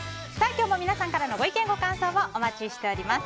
今日も皆様からのご意見、ご感想をお待ちしております。